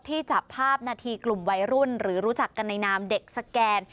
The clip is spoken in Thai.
จับภาพนาทีกลุ่มวัยรุ่นหรือรู้จักกันในนามเด็กสแกน